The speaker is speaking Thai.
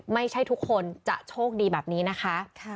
ไม่ใช่ทุกคนจะโชคดีแบบนี้นะคะ